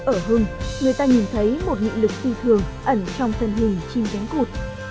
ở hưng người ta nhìn thấy một nghị lực tùy thường ẩn trong thân hình chim cánh cửa